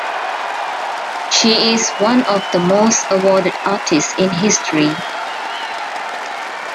She is one of the most awarded artist in history.